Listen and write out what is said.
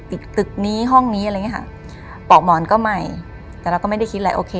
ตึกนี้ห้องนี้อะไรอย่างเงี้ค่ะปอกหมอนก็ใหม่แต่เราก็ไม่ได้คิดอะไรโอเค